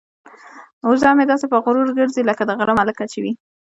وزه مې داسې په غرور ګرځي لکه د غره ملکه چې وي.